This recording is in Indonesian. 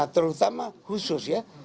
terutama khusus ya